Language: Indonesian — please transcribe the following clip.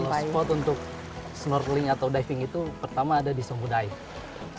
kalau spot untuk snorkeling atau diving itu pertama ada di sombu dive